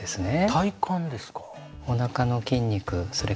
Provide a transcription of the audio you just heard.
体幹ですか？